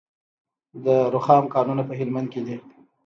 د رخام کانونه په هلمند کې دي